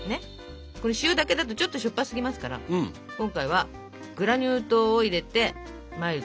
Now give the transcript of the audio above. これ塩だけだとちょっとしょっぱすぎますから今回はグラニュー糖を入れてマイルドにしようかなと思い